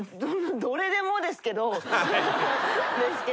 どれでもですけど。